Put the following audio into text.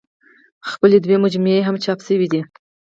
خپلې دوه مجموعې يې هم چاپ دي